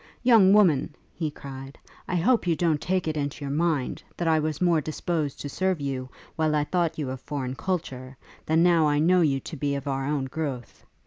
'Young woman,' he cried, 'I hope you don't take it into your mind, that I was more disposed to serve you while I thought you of foreign culture, than now I know you to be of our own growth?